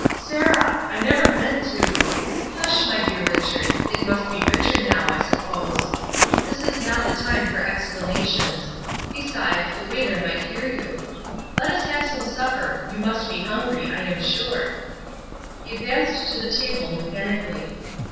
"Sarah! I never meant to " "Hush, my dear Richard it must be Richard now, I suppose. This is not the time for explanations. Besides, the waiter might hear you. Let us have some supper; you must be hungry, I am sure." He advanced to the table mechanically.